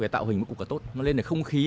tạo hình một cục cả tốt nó lên được không khí